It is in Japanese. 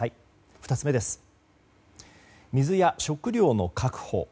２つ目は、水や食料の確保。